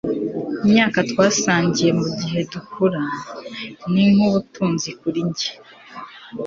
imyaka twasangiye mugihe dukura ni nkubutunzi kuri njye